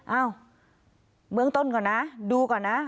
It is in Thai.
เอ้าเบื้องต้นก่อนนะดูก่อนนะ